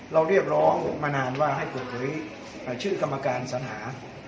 เรียกร้องมานานว่าให้เปิดเผยชื่อกรรมการสัญหา